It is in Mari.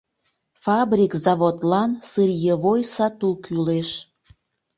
Фабрик-заводлан сырьевой сату кӱлеш.